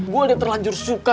gue udah terlanjur suka